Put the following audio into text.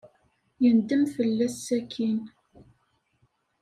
Yendem fell-as sakkin.